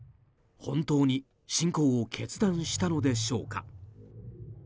本当に侵攻を決断したのでしょうか。